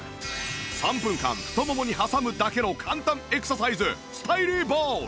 ３分間太ももに挟むだけの簡単エクササイズスタイリーボール！